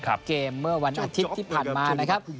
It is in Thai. เกมเมื่อวันอาทิตย์ที่ผ่านมานะครับ